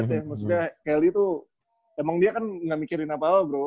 maksudnya kelly tuh emang dia kan nggak mikirin apa apa bro